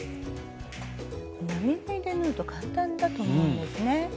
並縫いで縫うと簡単だと思うんですね。